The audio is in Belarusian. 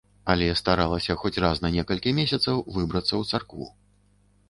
Але старалася хоць раз на некалькі месяцаў выбрацца ў царкву.